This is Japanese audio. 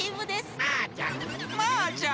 マーちゃん。